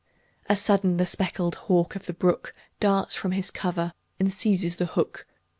A sudden, the speckled hawk of the brook Darts from his cover and seizes the hook.